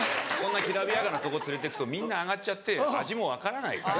きらびやかなとこ連れてくとみんな上がっちゃって味も分からないから。